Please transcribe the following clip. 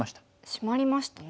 シマりましたね。